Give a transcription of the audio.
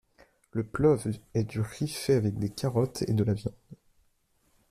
Le plov est du riz frit avec des carottes et de la viande.